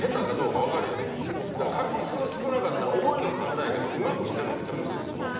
だから画数少なかったら覚えるの簡単やけどうまく見せるのめっちゃムズいというか。